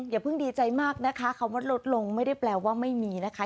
อย่าเพิ่งดีใจมากนะคะคำว่าลดลงไม่ได้แปลว่าไม่มีนะคะ